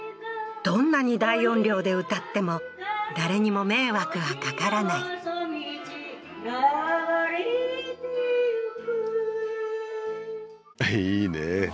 どんなに大音量で歌っても誰にも迷惑はかからない流れ行くいいね